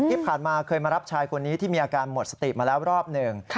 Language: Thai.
ที่ผ่านมาเคยมารับชายคนนี้ที่มีอาการหมดสติมาแล้วรอบหนึ่ง